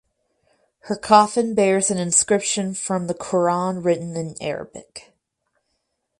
Her coffin bears an inscription from the Quran written in Arabic.